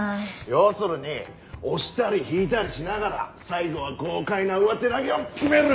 要するに押したり引いたりしながら最後は豪快な上手投げを決める！